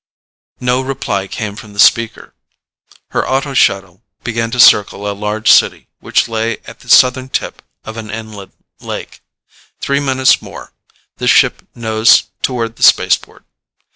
No reply came from the speaker. Her auto shuttle began to circle a large city which lay at the southern tip of an inland lake. Three minutes more. The ship nosed toward the spaceport.